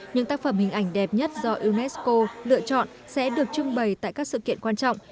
những tác phẩm hình ảnh đẹp nhất do unesco lựa chọn sẽ được trưng bày tại các sự kiện quan trọng